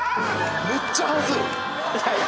めっちゃ恥ずい。